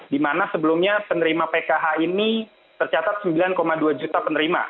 di mana sebelumnya penerima pkh ini tercatat sembilan dua juta penerima